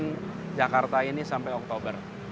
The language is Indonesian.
untuk menuntaskan jakarta ini sampai oktober